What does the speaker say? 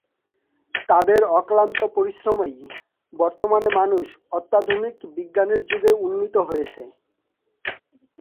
তাদের অক্লান্ত পরিশ্রমেই বর্তমানে মানুষ অত্যাধুনিক বিজ্ঞানের যুগে উন্নীত হয়েছে।